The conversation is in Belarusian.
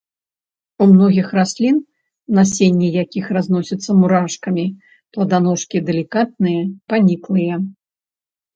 У многіх раслін, насенне якіх разносіцца мурашкамі, пладаножкі далікатныя, паніклыя.